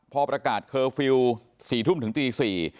พอประกาศเคอร์ฟิลล์๔ทุ่มถึงตี๔